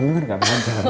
mengengan gak ada